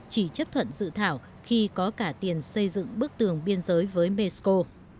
chỉ chấp thuận dự thảo khi có cả tiền xây dựng bức tường biên giới với mexico